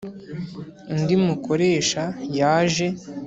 undi mukoresha yaje